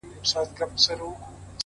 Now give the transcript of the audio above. ته مُلا په دې پېړۍ قال ـ قال کي کړې بدل؛